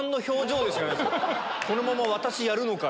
このまま私やるのか？